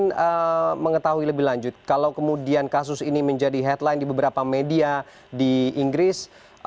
saya ingin mengetahui lebih lanjut kalau kemudian kasus ini menjadi headline di beberapa media di inggris